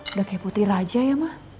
udah kayak putih raja ya mah